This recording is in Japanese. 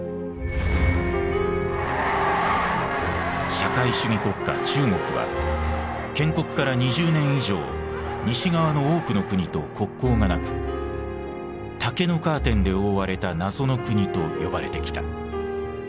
社会主義国家・中国は建国から２０年以上西側の多くの国と国交がなく「竹のカーテンで覆われた謎の国」と呼ばれてきた。